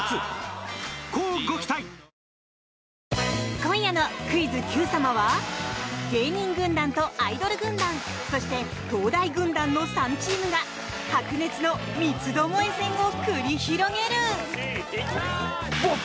今夜の「クイズＱさま！！」は芸人軍団とアイドル軍団そして東大軍団の３チームが白熱の三つどもえ戦を繰り広げる。